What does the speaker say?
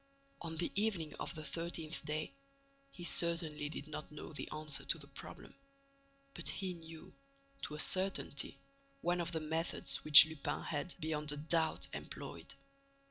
On the evening of the thirteenth day, he certainly did not know the answer to the problem, but he knew, to a certainty, one of the methods which Lupin had, beyond a doubt, employed.